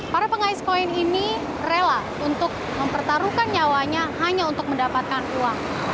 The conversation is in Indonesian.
para pengais koin ini rela untuk mempertaruhkan nyawanya hanya untuk mendapatkan uang